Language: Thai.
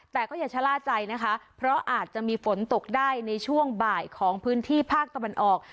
แต่ก็อย่าชะล่าใจนะคะเพราะอาจจะมีฝนตกได้ในช่วงบ่ายของพื้นที่ภาคตะวันออก